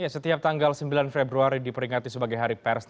setiap tanggal sembilan februari diperingati sebagai hari pers